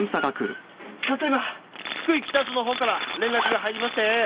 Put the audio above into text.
たった今福井北署のほうから連絡が入りましてね。